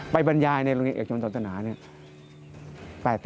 ไปบรรยายในโรงเรียนเอกชนสนตนา